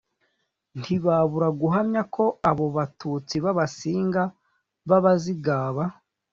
ntibabura guhamya ko abo batutsi b'abasinga, b'abazigaba